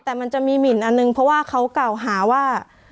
แต่มันจะมีหมินอันหนึ่งเพราะว่าเขากล่าวหาว่า